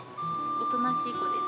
おとなしい子です。